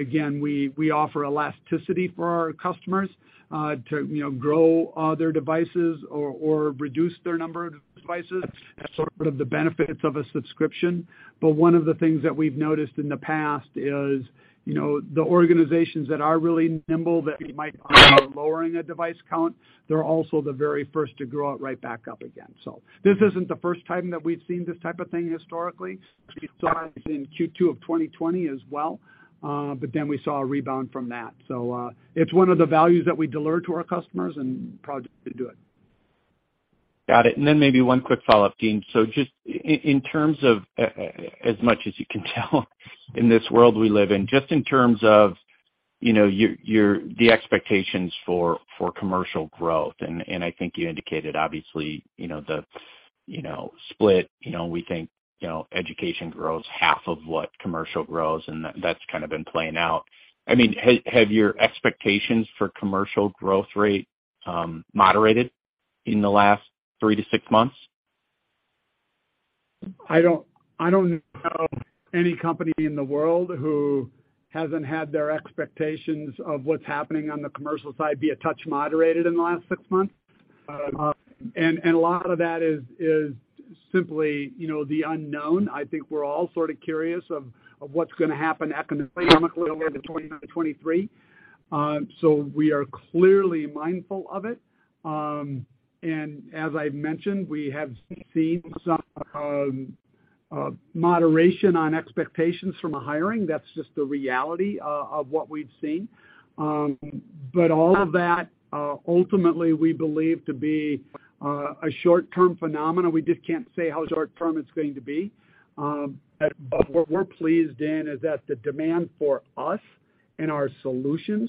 S3: Again, we offer elasticity for our customers to you know, grow their devices or reduce their number of devices. That's sort of the benefits of a subscription. One of the things that we've noticed in the past is you know, the organizations that are really nimble that might be lowering a device count, they're also the very first to grow it right back up again. This isn't the first time that we've seen this type of thing historically. We saw it in second quarter of 2020 as well, but then we saw a rebound from that. It's one of the values that we deliver to our customers, and proud to do it.
S12: Got it. Maybe one quick follow-up, Dean. Just in terms of as much as you can tell in this world we live in, just in terms of, you know, your expectations for commercial growth, and I think you indicated obviously, you know, the split. You know, we think, you know, education grows half of what commercial grows, and that's kind of been playing out. I mean, have your expectations for commercial growth rate moderated in the last three to six months?
S3: I don't know any company in the world who hasn't had their expectations of what's happening on the commercial side be a touch moderated in the last six months. A lot of that is simply, you know, the unknown. I think we're all sort of curious of what's gonna happen economically over 2023. We are clearly mindful of it. As I've mentioned, we have seen some moderation on expectations from a hiring. That's just the reality of what we've seen. All of that ultimately, we believe to be a short-term phenomenon. We just can't say how short-term it's going to be. What we're pleased, Dan, is that the demand for us and our solutions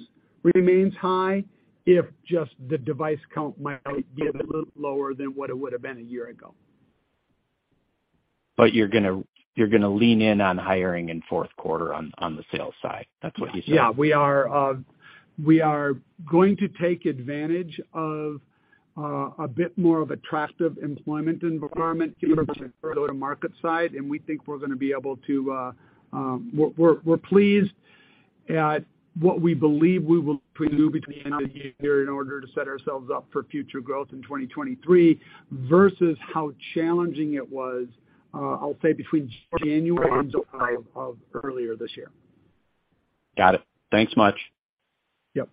S3: remains high if just the device count might be a little lower than what it would have been a year ago.
S12: You're gonna lean in on hiring in fourth quarter on the sales side. That's what you're saying?
S3: Yeah. We are going to take advantage of a bit more attractive employment environment even from a go-to-market side. We think we're gonna be able to. We're pleased at what we believe we will do between now and the end of the year in order to set ourselves up for future growth in 2023 versus how challenging it was, I'll say between January and July of earlier this year.
S12: Got it. Thanks much.
S3: Yep.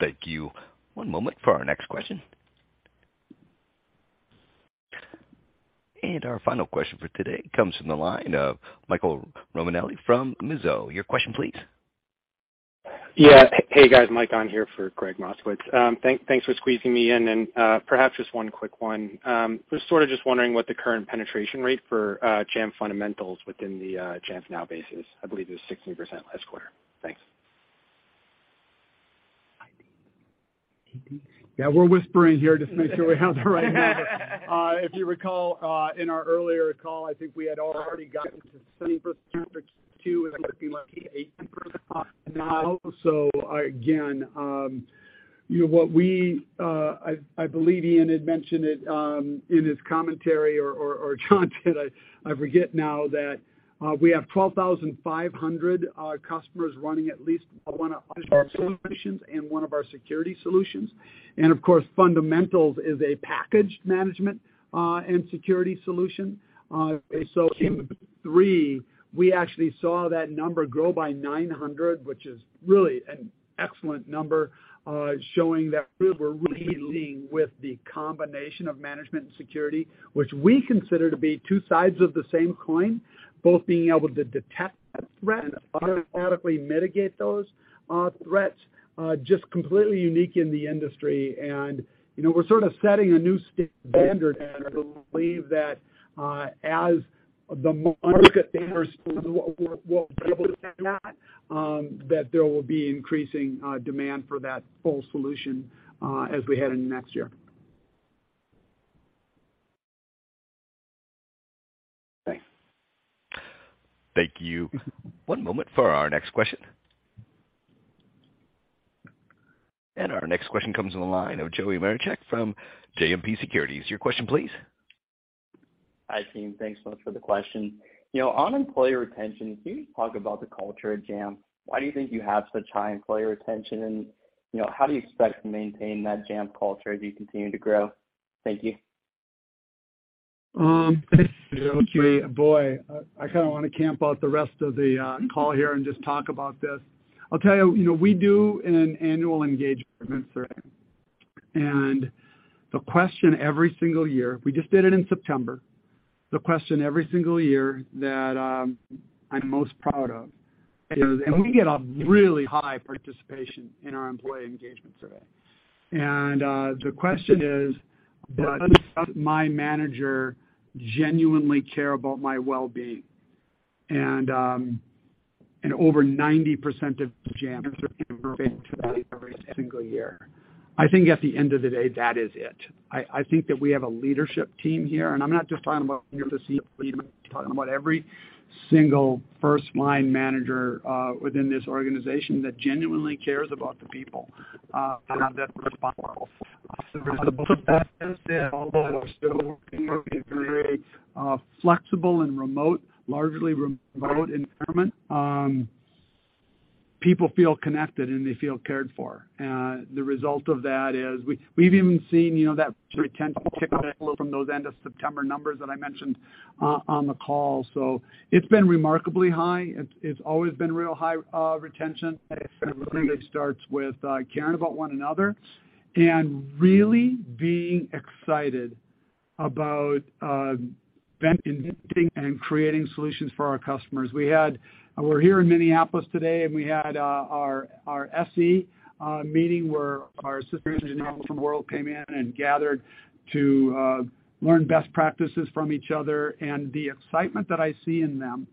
S1: Thank you. One moment for our next question. Our final question for today comes from the line of Michael Romanelli from Mizuho. Your question please.
S13: Yeah. Hey, guys. Mike on here for Gregg Moskowitz. Thanks for squeezing me in. Perhaps just one quick one. Just wondering what the current penetration rate for Jamf Fundamentals within the Jamf Now base is. I believe it was 60% last quarter. Thanks.
S3: Yeah, we're whispering here just to make sure we have the right number. If you recall, in our earlier call, I think we had already gotten to 70% for second quarter, and I think it might be 80% now. Again, you know, I believe Ian had mentioned it in his commentary or John did. I forget now that we have 12,500 customers running at least one of our solutions and one of our security solutions. Of course, Jamf Fundamentals is a packaged management and security solution. In third quarter, we actually saw that number grow by 900, which is really an excellent number, showing that we're really leading with the combination of management and security, which we consider to be two sides of the same coin, both being able to detect that threat and automatically mitigate those threats. Just completely unique in the industry. You know, we're sort of setting a new standard, and I believe that, as the market matures, we're able to say that there will be increasing demand for that full solution, as we head into next year.
S13: Thanks.
S1: Thank you. One moment for our next question. Our next question comes from the line of Joey Marincek from JMP Securities. Your question please.
S14: Hi, team. Thanks so much for the question. You know, on employee retention, can you talk about the culture at Jamf? Why do you think you have such high employee retention? You know, how do you expect to maintain that Jamf culture as you continue to grow? Thank you.
S3: Thanks, Joey. Boy, I kind of want to camp out the rest of the call here and just talk about this. I'll tell you know, we do an annual engagement survey. The question every single year, we just did it in September. The question every single year that I'm most proud of is, we get a really high participation in our employee engagement survey. The question is, does my manager genuinely care about my well-being? Over 90% of Jamf answer affirmatively to that every single year. I think at the end of the day, that is it. I think that we have a leadership team here, and I'm not just talking about here at the C-suite. I'm talking about every single first-line manager within this organization that genuinely cares about the people that have that responsibility. To put that, although we're still working very flexible and remote, largely remote environment, people feel connected, and they feel cared for. The result of that is we've even seen that retention kick in a little from those end of September numbers that I mentioned on the call. It's been remarkably high. It's always been real high retention. It really starts with caring about one another and really being excited about inventing and creating solutions for our customers. We're here in Minneapolis today, and we had our SE meeting where our systems engineers from around the world came in and gathered to learn best practices from each other. The excitement that I see in them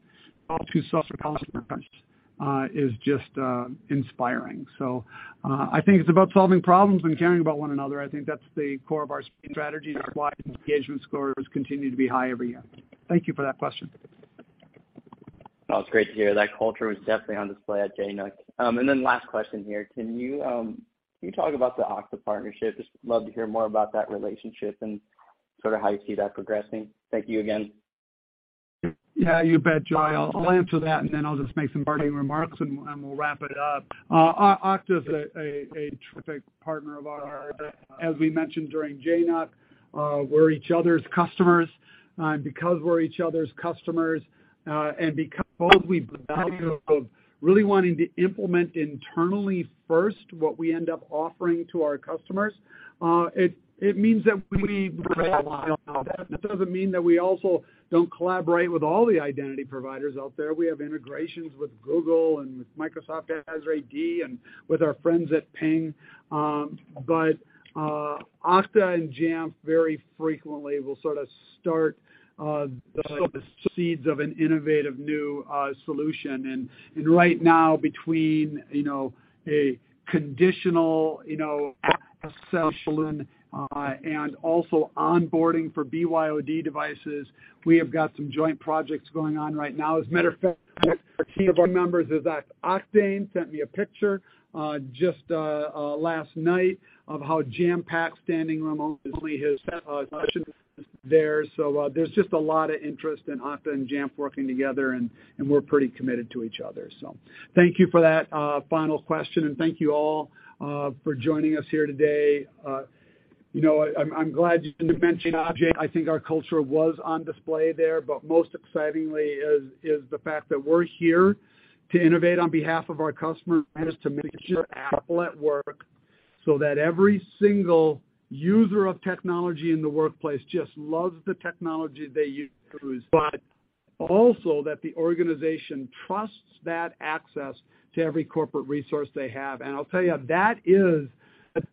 S3: to solve customer problems is just inspiring. I think it's about solving problems and caring about one another. I think that's the core of our strategy, that's why engagement scores continue to be high every year. Thank you for that question.
S14: Oh, it's great to hear. That culture was definitely on display at JNUC. Last question here. Can you talk about the Okta partnership? Just love to hear more about that relationship and sort of how you see that progressing. Thank you again.
S3: Yeah, you bet, Joey. I'll answer that, and then I'll just make some parting remarks and we'll wrap it up. Okta is a terrific partner of ours. As we mentioned during JNUC, we're each other's customers. Because we're each other's customers, and because we value of really wanting to implement internally first what we end up offering to our customers, it means that we learn a lot. That doesn't mean that we also don't collaborate with all the identity providers out there. We have integrations with Google and with Microsoft Azure AD and with our friends at Ping. But Okta and Jamf very frequently will sort of start the seeds of an innovative new solution. Right now, between, you know, a conditional, you know, solution, and also onboarding for BYOD devices, we have got some joint projects going on right now. As a matter of fact, a team of our members is at Oktane, sent me a picture just last night of how jam-packed standing room only his session was there. There's just a lot of interest in Okta and Jamf working together, and we're pretty committed to each other. Thank you for that final question and thank you all for joining us here today. You know, I'm glad you mentioned Oktane. I think our culture was on display there, but most excitingly is the fact that we're here to innovate on behalf of our customers and to make sure Apple at work, so that every single user of technology in the workplace just loves the technology they use, but also that the organization trusts that access to every corporate resource they have. I'll tell you, that is.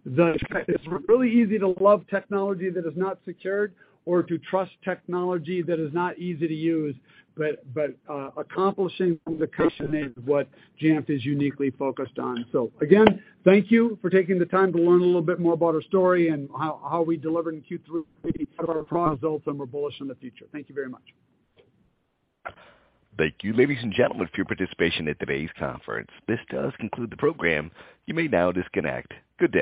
S3: It's really easy to love technology that is not secured or to trust technology that is not easy to use. But accomplishing the balance is what Jamf is uniquely focused on. Again, thank you for taking the time to learn a little bit more about our story and how we delivered in third quarter of our results, and we're bullish on the future. Thank you very much.
S1: Thank you, ladies and gentlemen, for your participation in today's conference. This does conclude the program. You may now disconnect. Good day.